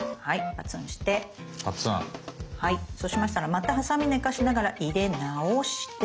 はいそうしましたらまたハサミ寝かしながら入れ直して。